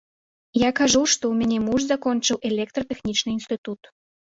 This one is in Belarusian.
Я кажу, што ў мяне муж закончыў электратэхнічны інстытут.